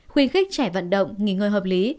khuyến khích trẻ vận động nghỉ ngơi hợp lý